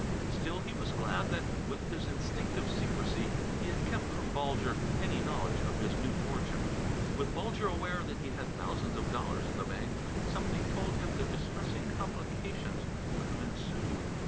Still he was glad that, with his instinctive secrecy he had kept from Bulger any knowledge of his new fortune. With Bulger aware that he had thousands of dollars in the bank, something told him that distressing complications would have ensued.